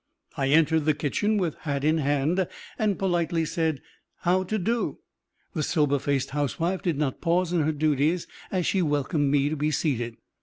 I entered the kitchen with hat in hand and politely said, "How to do?" The sober faced housewife did not pause in her duties as she welcomed me to be seated.